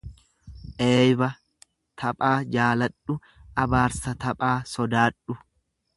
Eeyba taphaa jaaladhu, abaarsa taphaa sodaadhu.